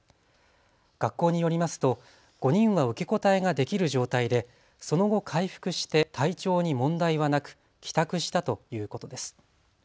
学校によりますと５人は受け答えができる状態でその後、回復して体調に問題はなく帰宅したということです。